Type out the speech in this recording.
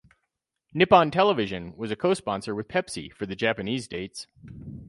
Nippon Television was a co-sponsor with Pepsi for the Japanese dates.